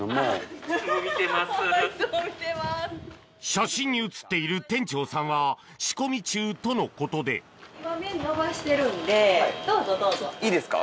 写真に写っている店長さんは仕込み中とのことでいいですか？